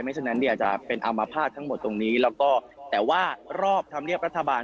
ฉะนั้นเนี่ยจะเป็นอามภาษณ์ทั้งหมดตรงนี้แล้วก็แต่ว่ารอบธรรมเนียบรัฐบาล